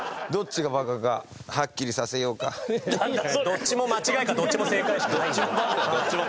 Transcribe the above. どっちも間違いかどっちも正解しかないんだよ。